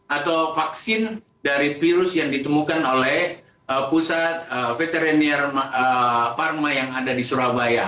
atau vaksin dari virus yang ditemukan oleh pusat veteriner pharma yang ada di surabaya